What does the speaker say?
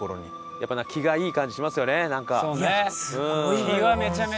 やっぱ気がいい感じしますよねなんか。